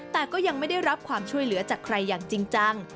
แต่ก็ยังไม่ได้รับความช่วยเหลือจากใครอย่างจริงจัง